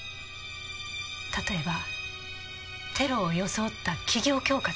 例えばテロを装った企業恐喝ですか？